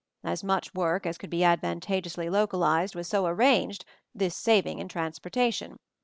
As much work as could be advantageously lo calized was so arranged, this saving in trans portation.